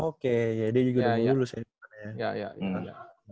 oke ya d juga udah mulus ya